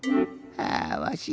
あわし